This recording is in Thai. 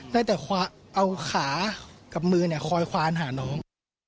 ได้แต่เอาขากับมือคอยควานหาน้อง